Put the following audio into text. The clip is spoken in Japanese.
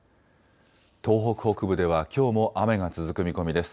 東北北部ではきょうも雨が続く見込みです。